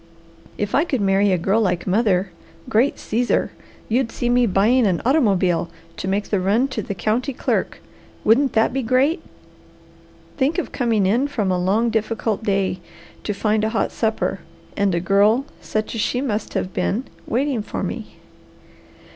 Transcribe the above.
If I could marry a girl like mother great Caesar! You'd see me buying an automobile to make the run to the county clerk. Wouldn't that be great! Think of coming in from a long, difficult day, to find a hot supper, and a girl such as she must have been, waiting for me!